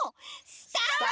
スタート！